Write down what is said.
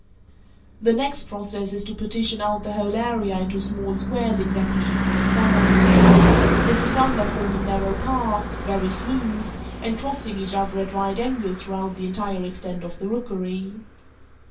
The next process is to partition out the whole area into small squares exactly equal in size. This is done by forming narrow paths, very smooth, and crossing each other at right angles throughout the entire extent of the rookery.